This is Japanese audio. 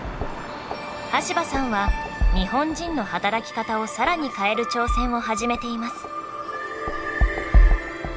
端羽さんは日本人の働き方を更に変える挑戦を始めています。